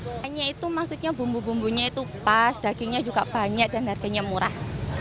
ikannya itu maksudnya bumbu bumbunya itu pas dagingnya juga banyak dan harganya murah